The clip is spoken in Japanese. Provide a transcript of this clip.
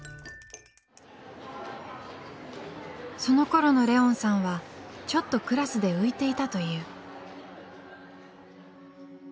そのころのレオンさんはちょっとクラスで浮いていたという。